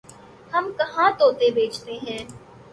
ہم کہاں طوطے بیچتے ہیں